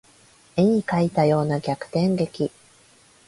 絵に描いたような逆転劇